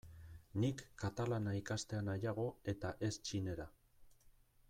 Nik katalana ikastea nahiago eta ez txinera.